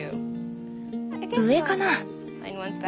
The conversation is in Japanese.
上かな。